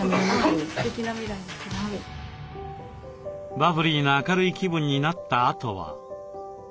バブリーな明るい気分になったあとは。